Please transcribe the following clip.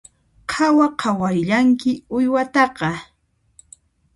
Qhawa qhawarillanki uywataqa